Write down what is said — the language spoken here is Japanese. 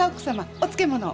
お漬物を。